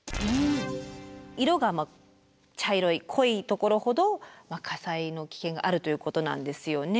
色が茶色い濃いところほど火災の危険があるということなんですよね。